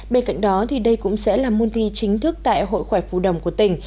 bên cạnh đó đây cũng sẽ là môn thi chính thức tại hội khỏe phù đồng của tỉnh